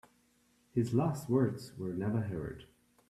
His last words were never heard.